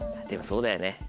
でもそうだよね